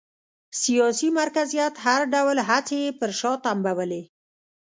سیاسي مرکزیت هر ډول هڅې یې پر شا تمبولې